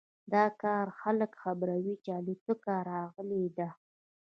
دا کار خلک خبروي چې الوتکه راغلی ده